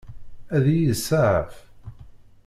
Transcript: Ad iyi-iseɛef?